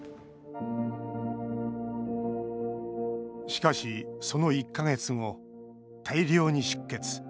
しかし、その１か月後大量に出血。